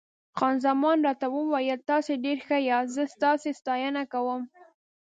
خان زمان راته وویل: تاسي ډېر ښه یاست، زه ستاسي ستاینه کوم.